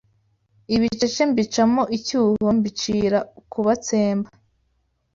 Ibicece mbicamo icyuho mbicira kubatsemba